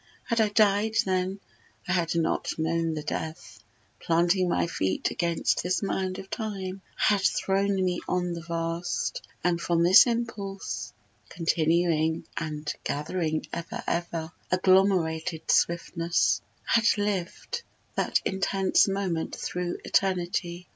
Had I died then, I had not known the death; Planting my feet against this mound of time I had thrown me on the vast, and from this impulse Continuing and gathering ever, ever, Agglomerated swiftness, I had lived That intense moment thro' eternity.